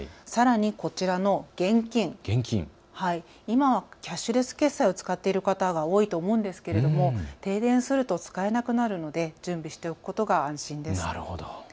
さらにこちらの現金、今はキャッシュレス決済を使っている方が多いと思うんですけれども、停電すると使えなくなるので準備しておくと安心です。